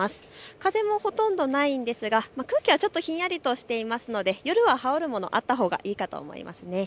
風もほとんどないんですが空気はちょっとひんやりとしていますので夜は羽織るものあったほうがいいかと思います。